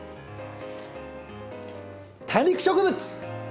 多肉植物。